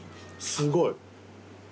すごい。